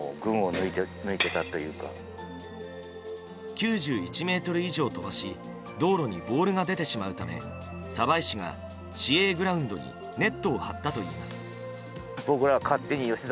９１ｍ以上飛ばし道路にボールが出てしまうため鯖江市が市営グラウンドにネットを張ったといいます。